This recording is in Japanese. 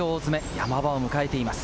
山場を迎えています。